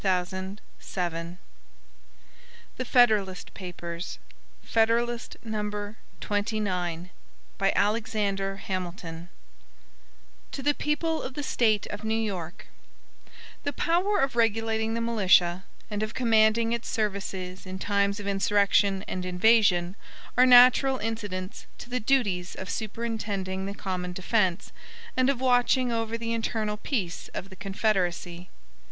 29 Concerning the Militia From the New York Packet. Wednesday, January 9, 1788 HAMILTON To the People of the State of New York: THE power of regulating the militia, and of commanding its services in times of insurrection and invasion are natural incidents to the duties of superintending the common defense, and of watching over the internal peace of the Confederacy.